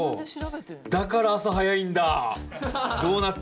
だから朝早いんだ。